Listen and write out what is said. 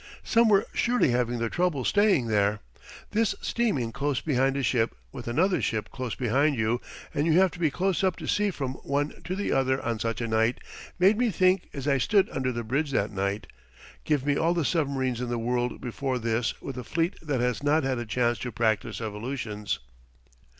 Some were surely having their troubles staying there. This steaming close behind a ship, with another ship close behind you and you have to be close up to see from one to the other on such a night made me think as I stood under the bridge that night: "Give me all the submarines in the world before this with a fleet that has not had a chance to practise evolutions."